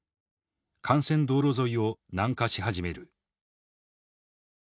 幹線道路沿いを南下し始める。